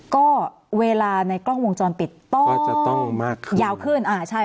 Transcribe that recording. ก็เวลาในกล้องวงจรปิดก็จะต้องมากขึ้นยาวขึ้นอ่าใช่